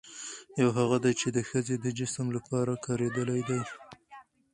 يوهغه دي، چې د ښځې د جسم لپاره کارېدلي دي